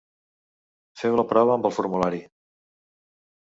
Feu la prova amb el formulari.